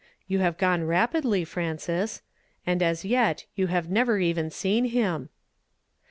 " You have gone rapidly, Frances ; and as yet you have never even seen liim